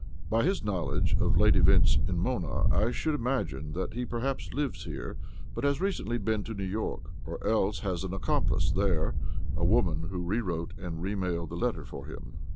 By his knowledge of late events in Mona I should imagine that he perhaps lives here, but has recently been to New York, or else has an accomplice there a woman who rewrote and remailed the letter for him."